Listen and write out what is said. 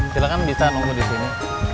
silahkan bisa nunggu di sini